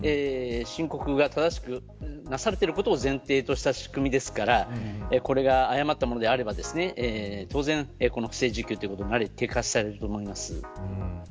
申告が正しくなされていることを前提とした仕組みですからこれが誤ったものであれば当然、これは不正受給として摘発されると思います。